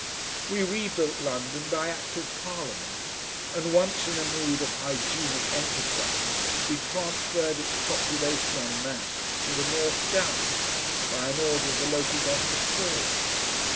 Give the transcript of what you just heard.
We rebuilt London by Act of Parliament, and once in a mood of hygienic enterprise we transferred its population EN MASSE to the North Downs by an order of the Local Government Board.